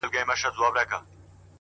اخلاص د اړیکو ریښې ژوروي؛